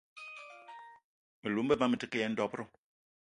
Me lou me ba me te ke yen dob-ro